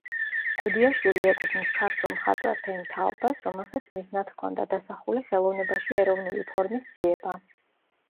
გუდიაშვილი ეკუთვნის ქართველ მხატვართა იმ თაობას, რომელსაც მიზნად ჰქონდა დასახული ხელოვნებაში ეროვნული ფორმის ძიება.